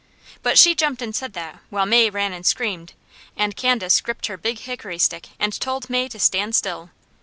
But she jumped and said that, while May ran and screamed, and Candace gripped her big hickory stick and told May to stand still.